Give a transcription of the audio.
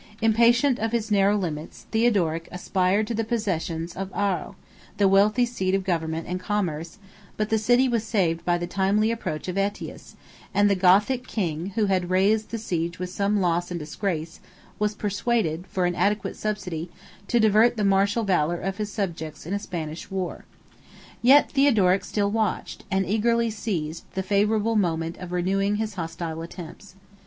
Impatient of his narrow limits, Theodoric aspired to the possession of Arles, the wealthy seat of government and commerce; but the city was saved by the timely approach of Ætius; and the Gothic king, who had raised the siege with some loss and disgrace, was persuaded, for an adequate subsidy, to divert the martial valor of his subjects in a Spanish war. Yet Theodoric still watched, and eagerly seized, the favorable moment of renewing his hostile attempts.